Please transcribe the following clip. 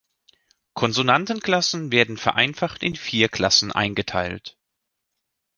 Konsonantenklassen werden vereinfacht in vier Klassen eingeteilt.